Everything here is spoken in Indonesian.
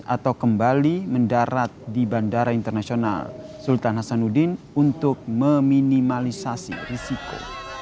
atau kembali mendarat di bandara internasional sultan hasanuddin untuk meminimalisasi risiko